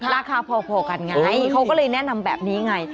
ราคาพอกันไงเขาก็เลยแนะนำแบบนี้ไง